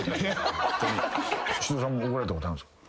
シシドさんも怒られたことあんすか？